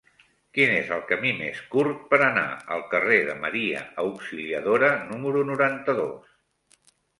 Quin és el camí més curt per anar al carrer de Maria Auxiliadora número noranta-dos?